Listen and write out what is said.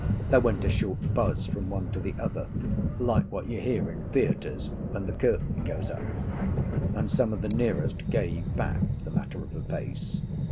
There went a short buzz from one to the other, like what you hear in theatres when the curtain goes up; and some of the nearest gave back the matter of a pace.